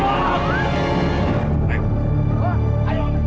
masa sebulan kecil